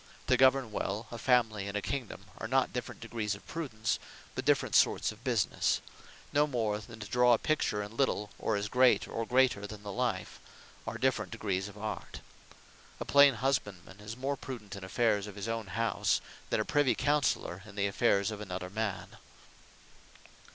To govern well a family, and a kingdome, are not different degrees of Prudence; but different sorts of businesse; no more then to draw a picture in little, or as great, or greater then the life, are different degrees of Art. A plain husband man is more Prudent in affaires of his own house, then a Privy Counseller in the affaires of another man.